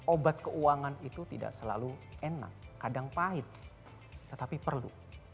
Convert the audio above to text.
obat keuangan itu tidak selalu enak kadang pahit tetapi perlu